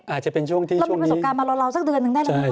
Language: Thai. อาจจะเป็นช่วงที่ช่วงนี้แล้วมีประสบการณ์มาร้อนสักเดือนหนึ่งได้หรือเปล่าคะ